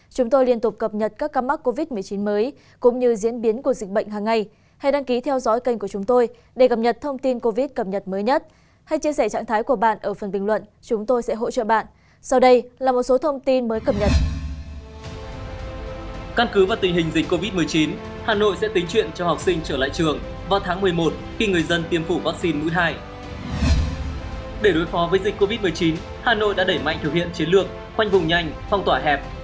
các bạn hãy đăng ký kênh để ủng hộ kênh của chúng mình nhé